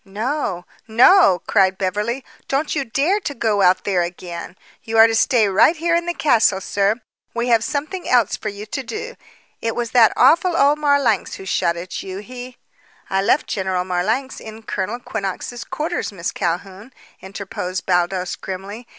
"No? no!" cried Beverly. "Don't you dare to go out there again. You are to stay right here in the castle, sir. We have something else for you to do. It was that awful old Marlanx who shot at you. He " "I left General Marlanx in Colonel Quinnox's quarters, Miss Calhoun," interposed Baldos grimly.